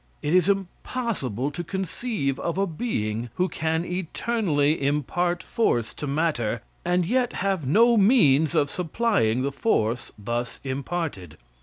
It is impossible to conceive of a being who can eternally impart force to matter, and yet have no means of supplying the force thus imparted.